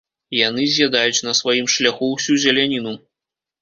Яны з'ядаюць на сваім шляху ўсю зеляніну.